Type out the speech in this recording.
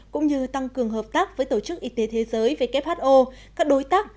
cũng như tăng cường hợp tác với tổ chức y tế thế giới who các đối tác